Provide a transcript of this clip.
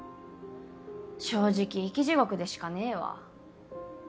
正直生き地獄でしかねえわ。